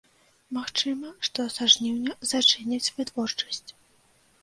Магчыма, што са жніўня зачыняць вытворчасць.